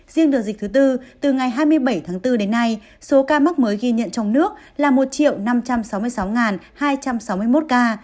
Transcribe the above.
riêng đợt dịch thứ tư từ ngày hai mươi bảy tháng bốn đến nay số ca mắc mới ghi nhận trong nước là một năm trăm sáu mươi sáu hai trăm sáu mươi một ca